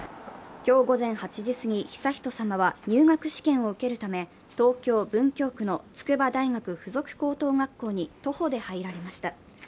今日午前８時過ぎ、悠仁さまは入学試験を受けるため、東京・文京区の筑波大学附属高等学校に徒歩で入られました。